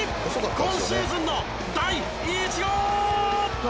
今シーズンの第１号！